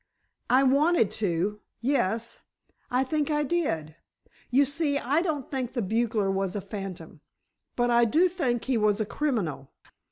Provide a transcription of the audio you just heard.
"I wanted to—yes, I think I did. You see, I don't think the bugler was a phantom, but I do think he was a criminal.